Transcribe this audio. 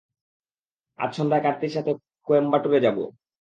আজ সন্ধ্যায় কার্তির সাথে কোয়েম্বাটুরে যাবে।